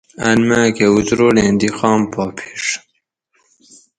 ان میکہ اتروڑی دی قام پا پڛ